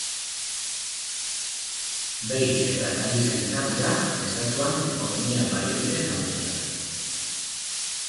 Behi eta zaldi zaintza dira estatuan ekonomia baliabide nagusiak.